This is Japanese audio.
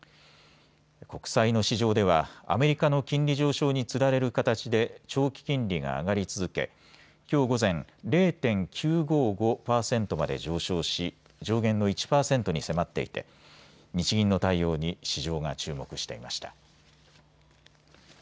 国債の市場ではアメリカの金利上昇につられる形で長期金利が上がり続けきょう午前、０．９５５％まで上昇し上限の１％に迫っていて日銀の対応に市場が注目していました。